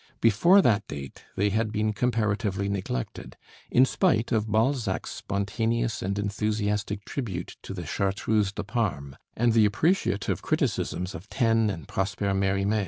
Before that date they had been comparatively neglected, in spite of Balzac's spontaneous and enthusiastic tribute to the 'Chartreuse de Parme,' and the appreciative criticisms of Taine and Prosper Mérimée.